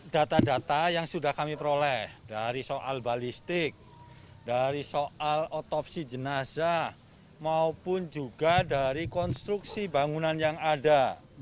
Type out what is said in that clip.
data data yang sudah kami peroleh dari soal balistik dari soal otopsi jenazah maupun juga dari konstruksi bangunan yang ada